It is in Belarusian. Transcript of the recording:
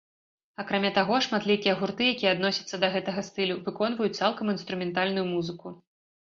Акрамя таго, шматлікія гурты якія адносяцца да гэтага стылю выконваюць цалкам інструментальную музыку.